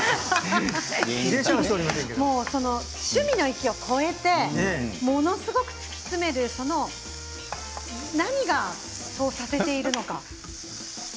趣味の域を超えてものすごく突き詰めて、何がそうさせているのか。